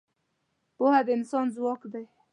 پوهه د انسان ځواک ده.